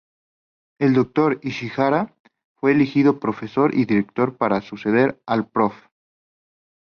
El Dr. Ishihara fue elegido profesor y director para suceder al Prof.